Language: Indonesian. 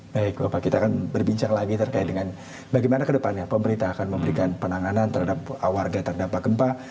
baik bapak kita akan berbincang lagi terkait dengan bagaimana ke depannya pemerintah akan memberikan penanganan terhadap warga terhadap pak gempah